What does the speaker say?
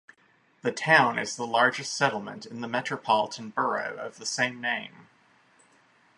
The town is the largest settlement in the metropolitan borough of the same name.